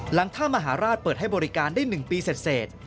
ท่ามหาราชเปิดให้บริการได้๑ปีเสร็จ